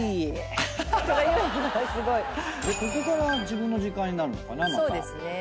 ここから自分の時間になるのかなまた。